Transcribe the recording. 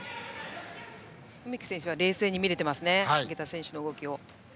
梅木選手は冷静に見られていますね池田選手の動きを。